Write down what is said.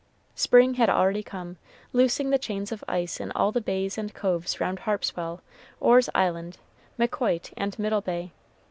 Spring had already come, loosing the chains of ice in all the bays and coves round Harpswell, Orr's Island, Maquoit, and Middle Bay.